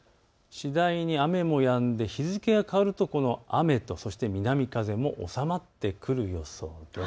次第に雨もやんで日付が変わると雨と、そして南風も収まってくる予想です。